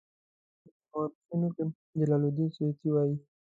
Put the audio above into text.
په اسلامي مورخینو کې جلال الدین سیوطي وایي.